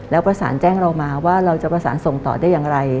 แล้วประสานแจ้งเรามาว่าเราจะประสานส่งต่อได้อย่างไร